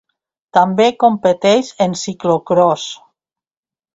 També competeix en ciclocròs.